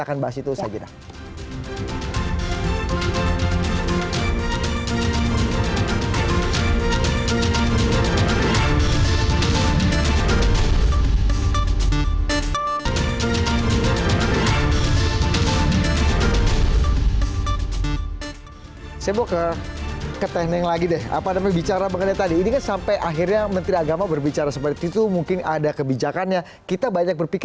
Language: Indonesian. kita akan bahas itu usaha kita